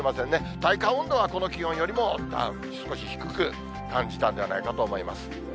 体感温度はこの気温よりも少し低く感じたんではないかと思います。